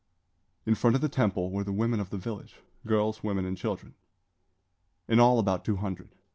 In front of the temple were the women of the village girls, women, and children; in all, about two hundred.